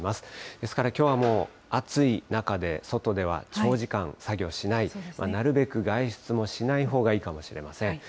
ですからきょうはもう、暑い中で、外では長時間作業しない、なるべく外出もしないほうがいいかもしれません。